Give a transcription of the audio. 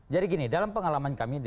jadi gini dalam pengalaman kami